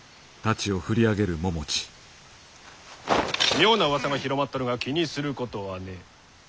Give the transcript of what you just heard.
妙なうわさが広まっとるが気にすることはねえ。